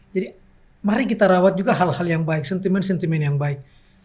jadi mari kita rawat juga hal hal yang baik sentimen sentimen yang baik